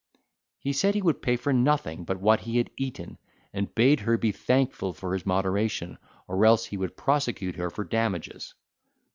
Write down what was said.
He said, he would pay for nothing but what he had eaten, and bade her be thankful for his moderation, or else he would prosecute her for damages.